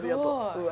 うわ